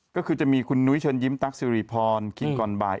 ก็คือจะมีคุณนุ้ยเชิญยิ้มตั๊กสิริพรคิงก่อนบ่าย